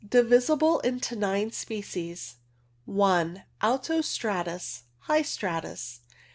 Divisible into nine species. I. Alto stratus. High stratus.